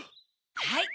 はい。